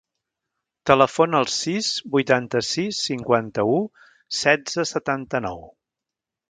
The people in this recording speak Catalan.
Telefona al sis, vuitanta-sis, cinquanta-u, setze, setanta-nou.